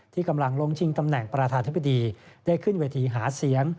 ที่กำลังลงชิงตำแหน่งประธานธิบดีได้ขึ้นเวทีหาเสียง